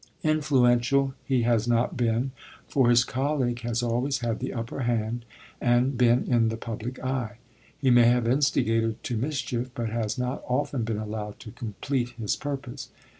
Influential he has not been, for his colleague has always had the upper hand and been in the public eye. He may have instigated to mischief, but has not often been allowed to complete his purpose.